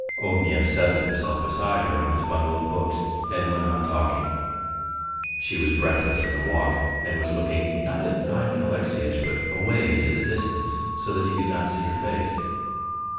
Ognev settled himself beside her on his bundle of books and went on talking. She was breathless from the walk, and was looking, not at Ivan Alexeyitch, but away into the distance so that he could not see her face.